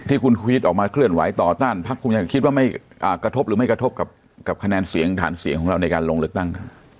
คุณชูวิทย์ออกมาเคลื่อนไหวต่อต้านพักภูมิใจคิดว่าไม่กระทบหรือไม่กระทบกับคะแนนเสียงฐานเสียงของเราในการลงเลือกตั้ง